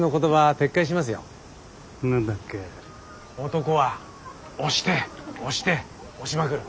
男は「押して押して押しまくる」。